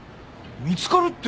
見つかるって。